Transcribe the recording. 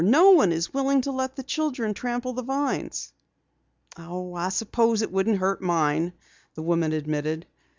No one is willing to let the children trample the vines." "I suppose it wouldn't hurt mine," the woman admitted.